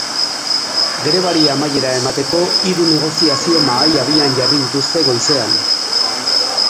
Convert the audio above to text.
Grebari amaiera emateko hiru negoziazio mahai abian jarri dituzte goizean.